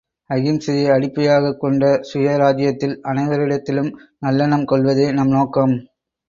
அகிம்சையை அடிப்படையாகக் கொண்ட சுயராஜ்யத்தில் அனைவரிடத்திலும் நல்லெண்ணம் கொள்வதே நம் நோக்கம்.